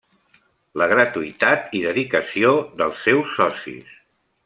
La gratuïtat i dedicació dels seus socis.